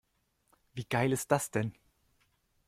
Wie geil ist das denn?